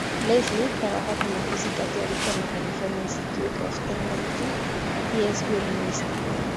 Leslie trabaja como física teórica en la California Institute of Technology y es violinista.